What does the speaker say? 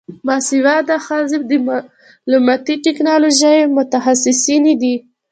باسواده ښځې د معلوماتي ټیکنالوژۍ متخصصینې دي.